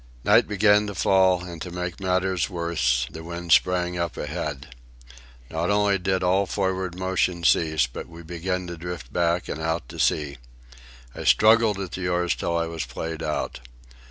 Night began to fall, and to make matters worse, the wind sprang up ahead. Not only did all forward motion cease, but we began to drift back and out to sea. I struggled at the oars till I was played out.